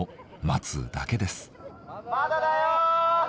まだだよ！